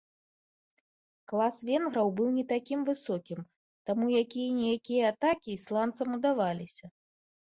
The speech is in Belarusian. Клас венграў быў не такім высокім, таму якія-ніякія атакі ісландцам удаваліся.